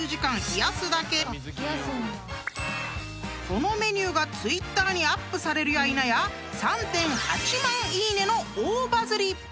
［このメニューがＴｗｉｔｔｅｒにアップされるや否や３．８万いいねの大バズり！］